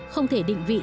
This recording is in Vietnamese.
không thể định vị